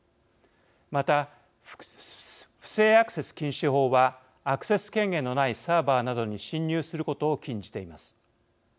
また不正アクセス禁止法はアクセス権限のないサーバーなどに侵入することを禁じています。